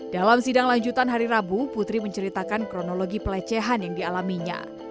dalam sidang lanjutan hari rabu putri menceritakan kronologi pelecehan yang dialaminya